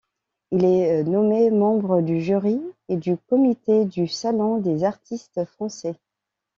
Il est nommé membre du jury et du comité du Salon des artistes français.